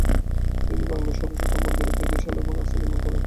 তিনি বাংলায় শত শত মন্দির, অতিথিশালা এবং রাস্তা নির্মাণ করেন।